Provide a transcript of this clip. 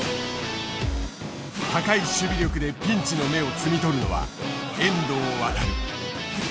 高い守備力でピンチの芽を摘み取るのは遠藤航。